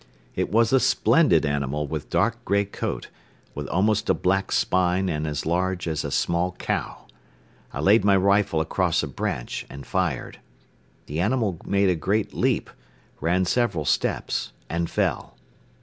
It was a splendid animal with dark grey coat, with almost a black spine and as large as a small cow. I laid my rifle across a branch and fired. The animal made a great leap, ran several steps and fell.